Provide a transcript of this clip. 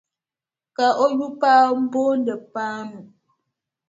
Ka o yupaa m-booni Paanu.